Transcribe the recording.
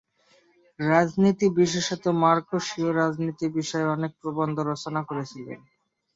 রাজনীতি, বিশেষত মার্কসীয় রাজনীতি বিষয়ে অনেক প্রবন্ধ রচনা করেছিলেন।